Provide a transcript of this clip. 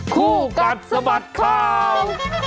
คู่กัดสะบัดข่าว